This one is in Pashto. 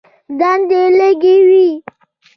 دندې لږې وې.